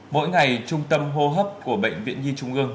mỗi ngày trung tâm hô hấp của bệnh viện nhi trung ương